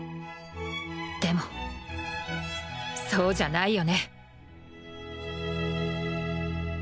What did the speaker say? でもそうじゃないよね